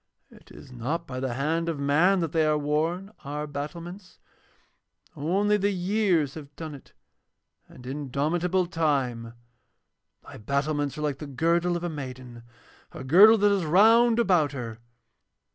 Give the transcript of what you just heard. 'It is not by the hand of man that they are worn, our battlements. Only the years have done it and indomitable Time. Thy battlements are like the girdle of a maiden, a girdle that is round about her.